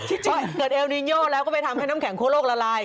เกิดเอลนินโยแล้วก็ไปทำให้น้ำแข็งคั่โลกละลาย